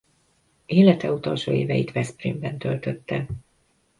Élete utolsó éveit Veszprémben töltötte.